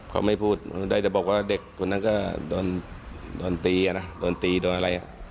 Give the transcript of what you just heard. เขาไม่พูดได้แต่บอกว่าเด็กคนนั้นก็โดนตีอ่ะนะโดนตีโดนอะไร